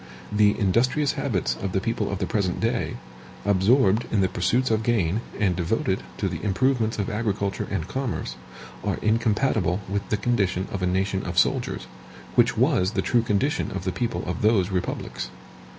The industrious habits of the people of the present day, absorbed in the pursuits of gain, and devoted to the improvements of agriculture and commerce, are incompatible with the condition of a nation of soldiers, which was the true condition of the people of those republics.